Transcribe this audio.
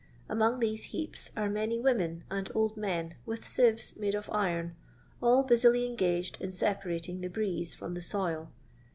Among these heaps are many women and old men with sieves made of iron, all busily engaged in separating the "brieze" from the " soil."